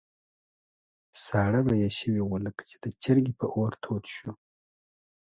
ساړه به یې شوي وو، لکه چې د چرګۍ په اور تود شو.